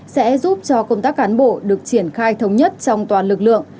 sẽ giúp cho công tác cán bộ được triển khai thống nhất trong toàn lực lượng